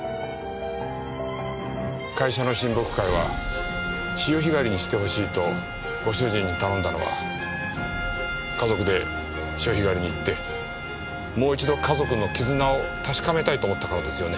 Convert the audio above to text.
会社の親睦会は潮干狩りにしてほしいとご主人に頼んだのは家族で潮干狩りに行ってもう一度家族の絆を確かめたいと思ったからですよね？